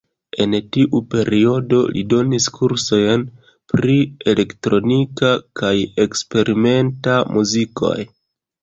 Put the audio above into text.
En tiu periodo li donis kursojn pri elektronika kaj eksperimenta muzikoj.